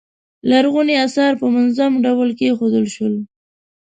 لرغوني اثار په منظم ډول کیښودل شول.